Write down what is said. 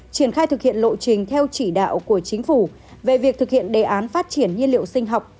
triển khai thực hiện lộ trình theo chỉ đạo của chính phủ về việc thực hiện đề án phát triển nhiên liệu sinh học